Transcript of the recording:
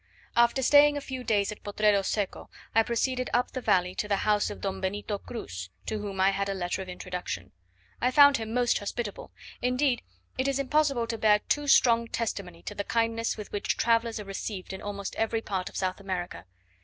After staying a few days at Potrero Seco, I proceeded up the valley to the house of Don Benito Cruz, to whom I had a letter of introduction. I found him most hospitable; indeed it is impossible to bear too strong testimony to the kindness with which travellers are received in almost every part of South America.